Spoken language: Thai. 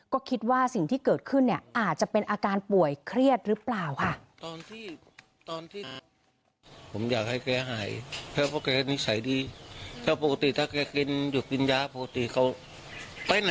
ก็คิดว่าสิ่งที่เกิดขึ้นเนี่ยอาจจะเป็นอาการป่วยเครียดหรือเปล่าค่ะ